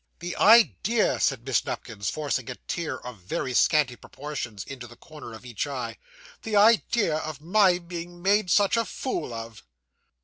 'The idea!' said Miss Nupkins, forcing a tear of very scanty proportions into the corner of each eye; 'the idea of my being made such a fool of!